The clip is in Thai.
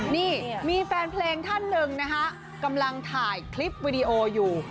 นี่มีแฟนเพลงท่านหนึ่งนะคะกำลังถ่ายคลิปวิดีโออยู่